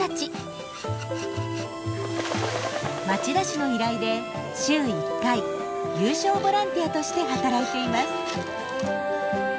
町田市の依頼で週１回有償ボランティアとして働いています。